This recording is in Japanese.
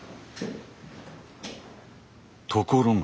ところが。